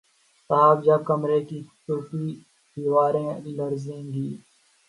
صاحب جب کمرے کی چوبی دیواریں لرزنے لگیں